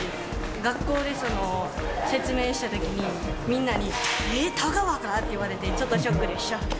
学校で説明したときに、みんなに、えっ、田川が？って言われて、ちょっとショックでした。